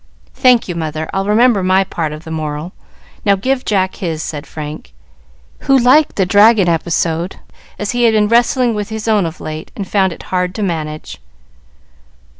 "Thank you, mother; I'll remember my part of the moral. Now give Jack his," said Frank, who liked the dragon episode, as he had been wrestling with his own of late, and found it hard to manage.